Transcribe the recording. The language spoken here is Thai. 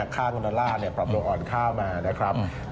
ค่าเงินดอลลาร์ปรับตัวอ่อนค่ามานะครับ